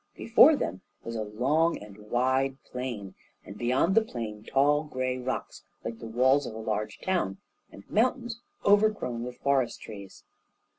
Before them was a long and wide plain, and beyond the plain tall gray rocks like the walls of a large town, and mountains overgrown with forest trees.